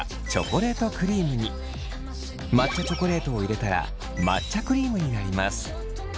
抹茶チョコレートを入れたら抹茶クリームになります。